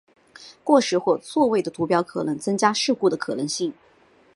过时或错位的图表可能增加事故的可能性。